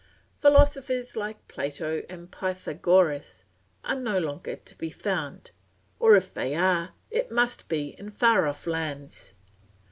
Philosophers like Plato and Pythagoras are no longer to be found, or if they are, it must be in far off lands.